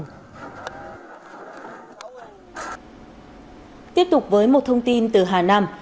tiếp tục với một thông tin từ hà nam